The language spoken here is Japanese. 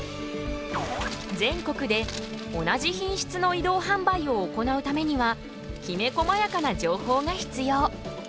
全国で同じ品質の移動販売を行うためにはきめこまやかな情報が必要。